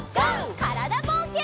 からだぼうけん。